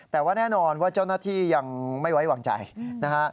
แต่ว่าแน่นอนว่าเจ้าหน้าที่ยังไม่ไว้วางใจนะฮะ